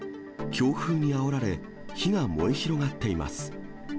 強風にあおられ、火が燃え広がっています。